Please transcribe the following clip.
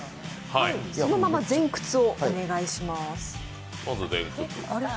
そのまま前屈をお願いします。